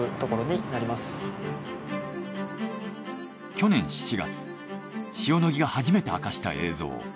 去年７月塩野義が初めて明かした映像。